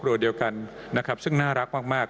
เดียวกันนะครับซึ่งน่ารักมาก